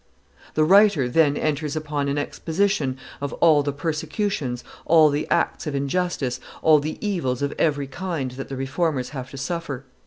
The writer then enters upon an exposition of all the persecutions, all the acts of injustice, all the evils of every kind that the reformers have to suffer.